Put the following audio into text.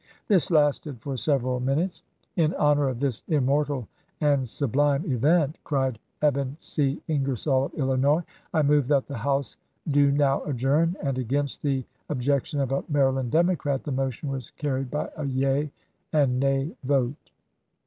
This lasted for several minutes." "In honor of this immortal and sublime event," cried Ebon C. Ingersoll of Illinois, " I move that the House do now adjourn," and against the objec tion of a Maryland Democrat the motion was car ried by a yea and nay vote.